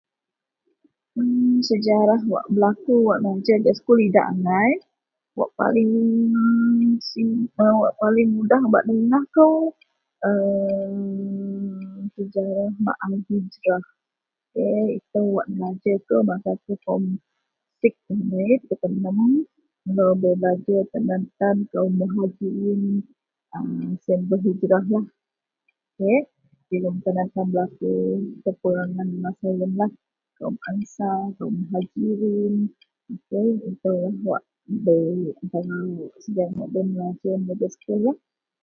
Sejarah wak berlaku gak sekul idak angai wak paling simple mudah bak dengah kou sejarah maal hijrah masa umek melo bei belajar pasal sien berhijrah bei sejarah wak negantun gak skul.